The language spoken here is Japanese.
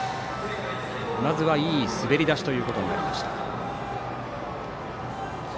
まずはいい滑り出しということになりました。